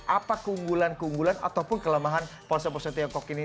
apa keunggulan keunggulan ataupun kelemahan ponsel ponsel tiongkok ini